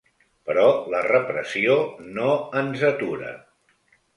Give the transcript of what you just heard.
Però la repressió no ens atura.